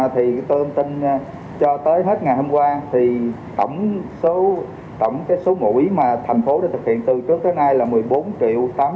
thì tôi thông tin cho tới hết ngày hôm qua tổng số mũi mà thành phố đã thực hiện từ trước tới nay là một mươi bốn tám trăm hai mươi bảy sáu trăm tám mươi năm mũi